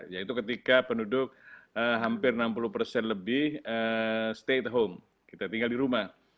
yaitu ketika penduduk hampir enam puluh persen lebih stay at home kita tinggal di rumah